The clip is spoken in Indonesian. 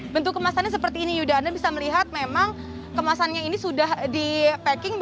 bentuk kemasannya seperti ini yuda anda bisa melihat memang kemasannya ini sudah di packing